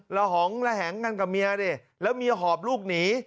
เราหองระแหงกับเมียนี่แล้วเมียหอบลูกหนี